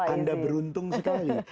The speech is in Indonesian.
anda beruntung sekali